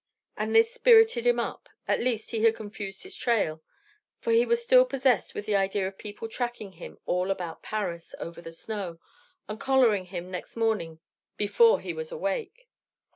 And this spirited him up; at least he had confused his trail; for he was still possessed with the idea of people tracking him all about Paris over the snow, and collaring him next morning before he was awake.